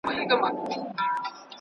رباني فکر تاريخ ته پاتې سو.